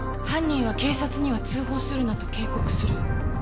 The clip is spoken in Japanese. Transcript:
犯人は警察には通報するなと警告する。